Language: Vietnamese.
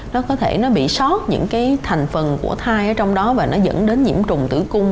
nó có thể nó bị sót những cái thành phần của thai ở trong đó và nó dẫn đến nhiễm trùng tử cung